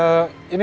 terima kasih pak